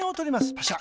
パシャ。